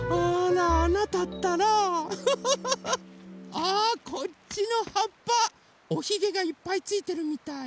あこっちのはっぱおひげがいっぱいついてるみたい。